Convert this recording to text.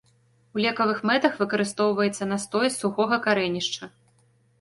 У лекавых мэтах выкарыстоўваецца настой з сухога карэнішча.